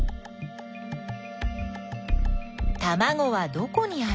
たまごはどこにある？